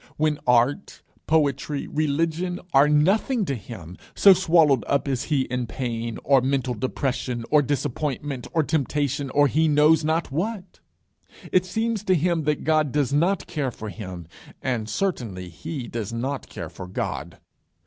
when art, poetry, religion are nothing to him, so swallowed up is he in pain, or mental depression, or disappointment, or temptation, or he knows not what? It seems to him then that God does not care for him, and certainly he does not care for God.